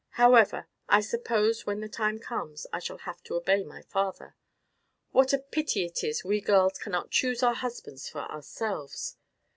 However, I suppose when the time comes I shall have to obey my father. What a pity it is we girls cannot choose our husbands for ourselves!